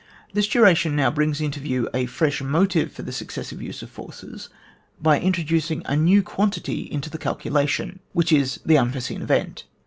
This duration now brings into view a fresh motive for the successive use of forces, by introducing a new quantity into the calculation, which is the un/ore ' 8een event, 310.